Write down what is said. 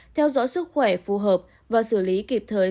theo dõi các trường hợp có nguy cơ cao nhất là những người về từ các địa phương